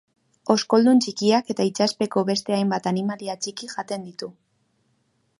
Oskoldun txikiak eta itsaspeko beste hainbat animalia txiki jaten ditu.